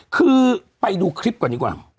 คือไปดูคลิปก่อนดีกว่า